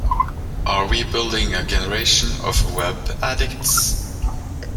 Are we building a generation of web addicts?